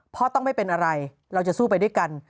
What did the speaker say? พ่อต้องไม่เป็นอะไรเราจะสู้ไปด้วยกัน